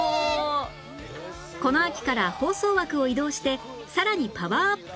この秋から放送枠を移動してさらにパワーアップ